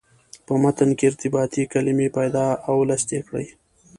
په متن کې ارتباطي کلمې پیدا او لست یې کړئ.